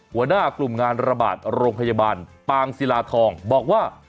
หัวหน้ากลุ่มงานระบาดโรงพยาบาลปางศิลาทองบอกว่า